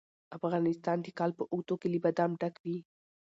افغانستان د کال په اوږدو کې له بادام ډک وي.